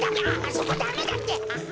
そこダメだってアハ。